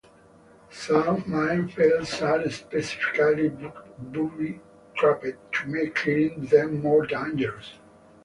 Some minefields are specifically booby-trapped to make clearing them more dangerous.